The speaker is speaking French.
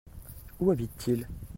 Où habite-t-il ?